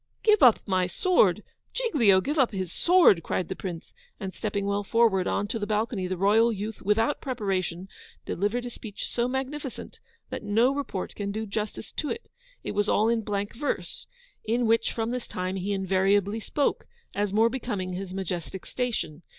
'Give up my sword! Giglio give up his sword!' cried the Prince; and stepping well forward on to the balcony, the royal youth, WITHOUT PREPARATION, delivered a speech so magnificent, that no report can do justice to it. It was all in blank verse (in which, from this time, he invariably spoke, as more becoming his majestic station).